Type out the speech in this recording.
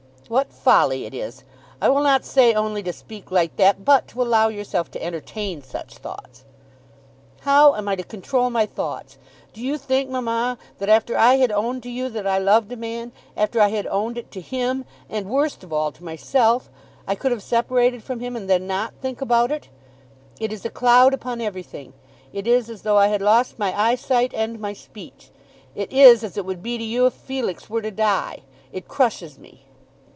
"What folly it is, I will not say only to speak like that, but to allow yourself to entertain such thoughts!" "How am I to control my thoughts? Do you think, mamma, that after I had owned to you that I loved a man, after I had owned it to him and, worst of all, to myself, I could have myself separated from him, and then not think about it? It is a cloud upon everything. It is as though I had lost my eyesight and my speech. It is as it would be to you if Felix were to die. It crushes me."